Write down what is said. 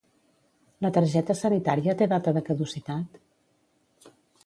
La targeta sanitària té data de caducitat?